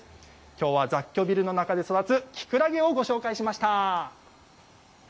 きょうは雑居ビルの中で育つきくらげをご紹介しました。